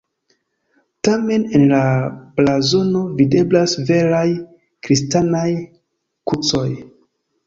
Tamen en la blazono videblas veraj kristanaj krucoj.